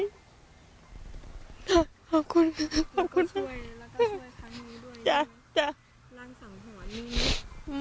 ร่างสังหวัยมีไหม